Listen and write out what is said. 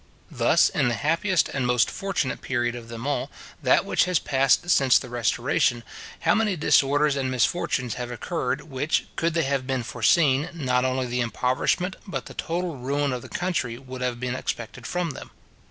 Thus, in the happiest and most fortunate period of them all, that which has passed since the Restoration, how many disorders and misfortunes have occurred, which, could they have been foreseen, not only the impoverishment, but the total ruin of the country would have been expected from them?